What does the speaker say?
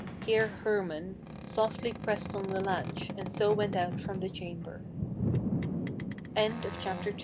Here Hermann Softly pressed on the latch, and so went out from the chamber. THALIA THE CITIZENS Thus